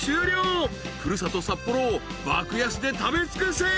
［古里札幌を爆安で食べ尽くせ］